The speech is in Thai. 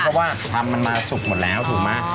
เพราะว่าทำมันมาสุกหมดแล้วถูกไหม